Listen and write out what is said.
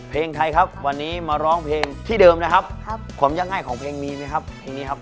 เพลงไทยครับวันนี้มาร้องเพลงที่เดิมนะครับความยากง่ายของเพลงมีไหมครับเพลงนี้ครับ